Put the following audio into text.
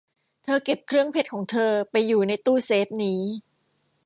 เธอเก็บเครื่องเพชรของเธอไปอยู่ในตู้เซฟนี้